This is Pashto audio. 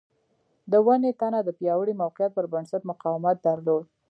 د ونې تنه د پیاوړي موقعیت پر بنسټ مقاومت درلود.